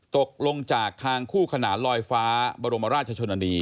ตกลงจากทางคู่ขนานลอยฟ้าบรมราชชนนานี